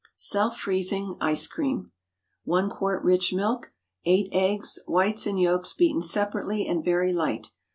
SELF FREEZING ICE CREAM. ✠ 1 quart rich milk. 8 eggs—whites and yolks beaten separately and very light.